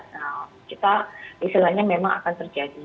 nah kita istilahnya memang akan terjadi